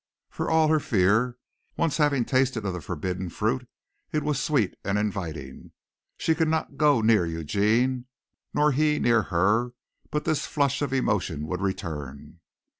For all her fear, once having tasted of the forbidden fruit, it was sweet and inviting. She could not go near Eugene, nor he near her but this flush of emotion would return.